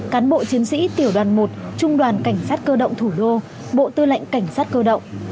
cán bộ chiến sĩ tiểu đoàn một trung đoàn cảnh sát cơ động thủ đô bộ tư lệnh cảnh sát cơ động